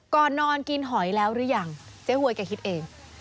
ก่อนนอนกินหอยแล้วหรือยังเจ๊หวยแกคิดเอง